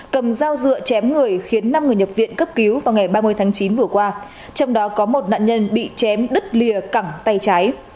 cầm dao dựa chém người khiến năm người nhập viện cấp cứu vào ngày ba mươi tháng chín vừa qua trong đó có một nạn nhân bị chém đứt lìa cẳng tay trái